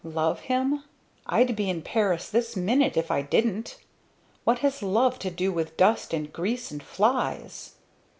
"Love him? I'd be in Paris this minute if I didn't! What has 'love' to do with dust and grease and flies!"